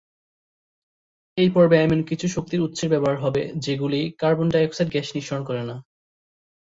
এই পর্বে এমন কিছু শক্তির উৎসের ব্যবহার হবে যেগুলি কার্বন ডাই অক্সাইড গ্যাস নিঃসরণ করে না।